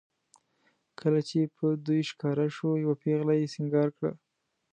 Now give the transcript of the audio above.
کله چې به دېو ښکاره شو یوه پېغله یې سینګار کړه.